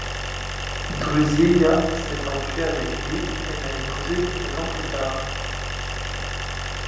Drusilla s'est enfuie avec lui et l'a épousé quelque temps plus tard.